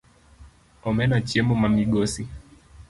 Omena chiemo ma migosi.